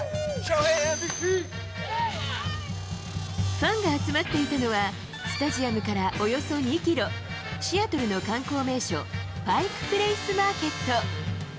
ファンが集まっていたのは、スタジアムからおよそ２キロ、シアトルの観光名所、パイク・プレイス・マーケット。